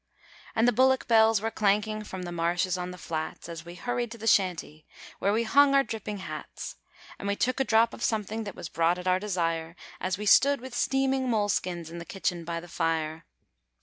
And the bullock bells were clanking from the marshes on the flats As we hurried to the Shanty, where we hung our dripping hats; And we took a drop of something that was brought at our desire, As we stood with steaming moleskins in the kitchen by the fire.